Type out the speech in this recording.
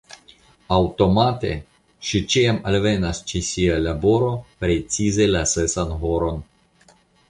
Aŭtomate ŝi ĉiam alvenas ĉe sia laboro, precize la sesan horon.